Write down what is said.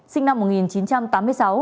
sinh năm một nghìn chín trăm tám mươi sáu